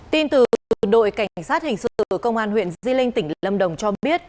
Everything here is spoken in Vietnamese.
tin từ đội cảnh sát hình sự công an huyện di linh tỉnh lâm đồng cho biết